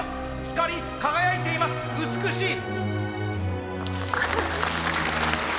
光り輝いています美しい。